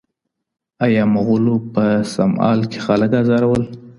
ایا مغولو په سم ال کي خلک ازارول؟